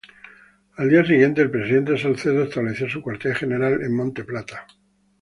Al día siguiente el Presidente Salcedo estableció su cuartel general en Monte Plata.